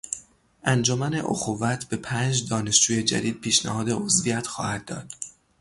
انجمن اخوت به پنج دانشجوی جدید پیشنهاد عضویت خواهد داد.